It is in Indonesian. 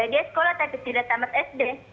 dia sekolah tapi tidak tamat sd